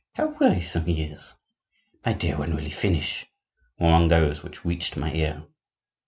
"How wearisome he is!" "My dear, when will he finish?" were among those which reached my ear.